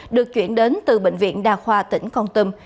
được chuyển đến từ bệnh viện đa khoa tỉnh con tâm